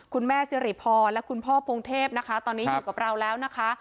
สิริพรและคุณพ่อพงเทพนะคะตอนนี้อยู่กับเราแล้วนะคะ